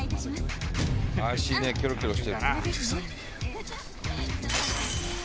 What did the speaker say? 怪しいねキョロキョロしてる。